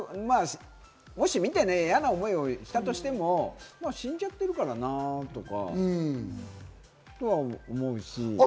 もし見て嫌な思いをしたとしても死んじゃってるからなぁとは思うし。